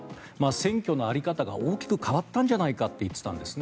選挙の在り方が大きく変わったんじゃないかと言っていたんですよね。